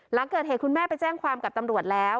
หลังเกิดเหตุคุณแม่ไปแจ้งความกับตำรวจแล้ว